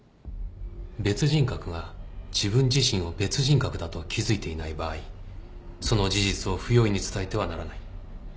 別人格が自分自身を別人格だと気付いていない場合その事実を不用意に伝えてはならない